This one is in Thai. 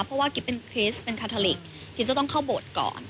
เพราะว่ากิ๊บเป็นคริสเป็นคาทาลิกกิ๊บจะต้องเข้าโบสถ์ก่อน